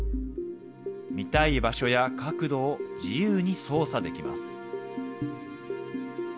見たい場所や角度を自由に操作できます。